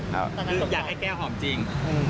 อย่างไก้แก้วหอมจริง